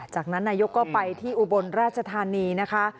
จากนั้นนายกก็ไปที่อุบลราชธานีนะคะ